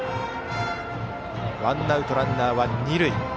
ワンアウトランナーは二塁。